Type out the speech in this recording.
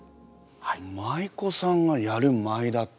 舞妓さんがやる舞だって。